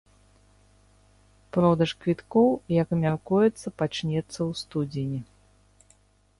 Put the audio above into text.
Продаж квіткоў, як мяркуецца, пачнецца ў студзені.